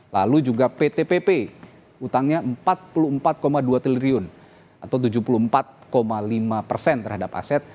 lalu juga pt pp utangnya empat puluh empat dua triliun atau tujuh puluh empat lima persen terhadap aset